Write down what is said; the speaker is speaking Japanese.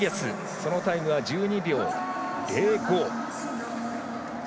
そのタイムは１２秒０５。